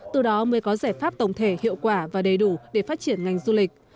từ đó mới có giải pháp tổng thể hiệu quả và đầy đủ để phát triển ngành du lịch